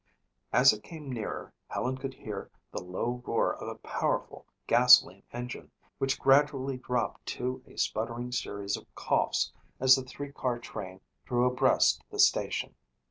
As it came nearer Helen could hear the low roar of a powerful gasoline engine, which gradually dropped to a sputtering series of coughs as the three car train drew abreast the station.